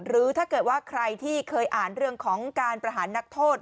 หรือถ้าเกิดว่าใครที่เคยอ่านเรื่องของการประหารนักโทษ